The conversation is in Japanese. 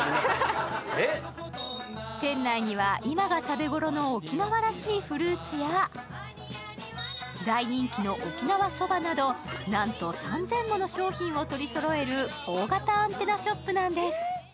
店内には今が食べ頃の沖縄らしいフルーツや大人気の沖縄そばなど、なんと３０００もの商品を取りそろえる大型アンテナショップなんです。